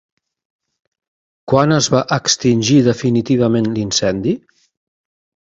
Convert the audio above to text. Quan es va extingir definitivament l'incendi?